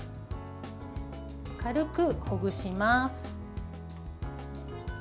軽くほぐします。